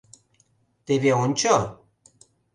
Теве ончо: